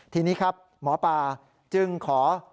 ทีนี้ครับหมอปลาจึงขอ